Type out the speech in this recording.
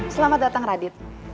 selamat datang radit